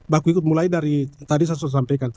baku itu mulai dari tadi saya sudah sampaikan